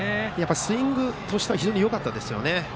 スイングとしては非常によかったです。